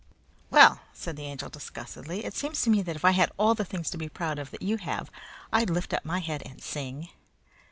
"Well," said the Angel disgustedly, "it seems to me that if I had all the things to be proud of that you have, I'd lift up my head and sing!"